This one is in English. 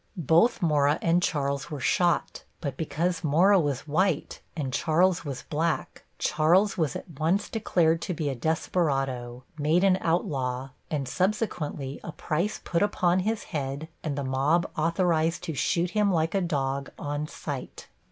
Both Mora and Charles were shot, but because Mora was white and Charles was black, Charles was at once declared to be a desperado, made an outlaw, and subsequently a price put upon his head and the mob authorized to shoot him like a dog, on sight.